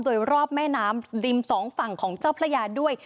โดยรอบแม่น้ำริมสองฝั่งของเจ้าพระยาด้วย